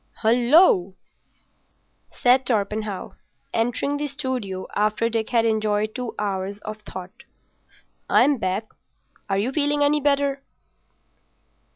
"Hullo!" said Torpenhow, entering the studio after Dick had enjoyed two hours of thought. "I'm back. Are you feeling any better?"